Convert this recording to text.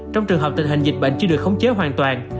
trong trường hợp tình hình dịch bệnh chưa được khống chế hoàn toàn